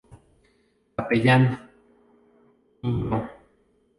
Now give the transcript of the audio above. Capellán, Pbro.